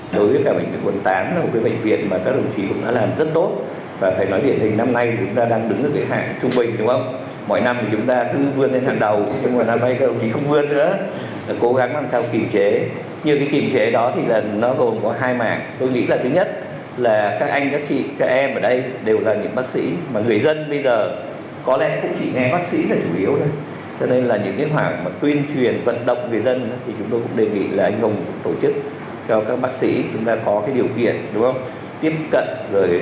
để vận động người dân chúng tôi đề nghị anh hùng tổ chức cho các bác sĩ chúng ta có điều kiện tiếp cận